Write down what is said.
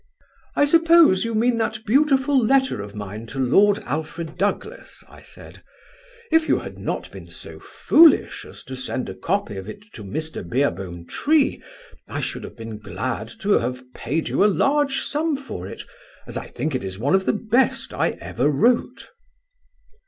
'I suppose you mean that beautiful letter of mine to Lord Alfred Douglas,' I said. 'If you had not been so foolish as to send a copy of it to Mr. Beerbohm Tree, I should have been glad to have paid you a large sum for it, as I think it is one of the best I ever wrote.'